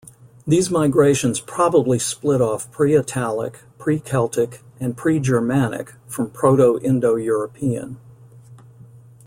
These migrations probably split off Pre-Italic, Pre-Celtic and Pre-Germanic from Proto-Indo-European.